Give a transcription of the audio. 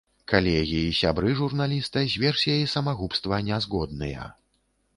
Калегі і сябры журналіста з версіяй самагубства не згодныя.